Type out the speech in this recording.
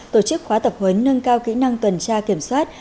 tổ chức khóa tập huấn nâng cao kỹ năng tuần tra kiểm soát